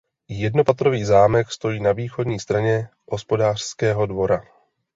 Jednopatrový zámek stojí na východní straně hospodářského dvora.